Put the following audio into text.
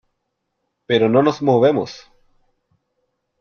pero no nos movemos .